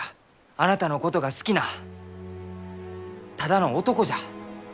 あなたのことが好きなただの男じゃ！